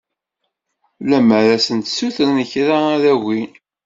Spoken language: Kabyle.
Lemmer ad sen-ssutreɣ kra ad agin?